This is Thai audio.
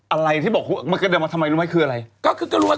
อะไรที่บอกมันกระเด็นมาทำไมรู้ไหมคืออะไร